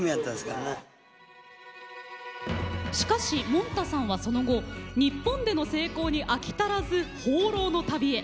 しかし、もんたさんは、その後日本での成功に飽き足らず放浪の旅へ。